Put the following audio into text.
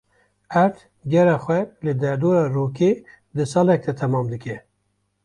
Erd gera xwe li derdora rokê di salekê de temam dike.